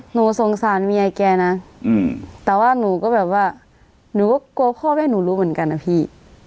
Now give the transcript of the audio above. หนูสงสารเมียแกนะแต่ว่าหนูก็แบบว่าหนูก็กลัวพ่อแม่หนูรู้เหมือนกันนะพี่